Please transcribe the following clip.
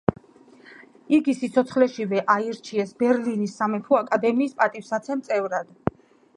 იგი სიცოცხლეშივე აირჩიეს ბერლინის სამეფო აკადემიის პატივსაცემი წევრად.